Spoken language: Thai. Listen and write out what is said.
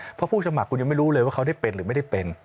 เพราะผู้สมัครคุณยังไม่รู้เลยว่าเขาได้เป็นหรือไม่ได้เป็น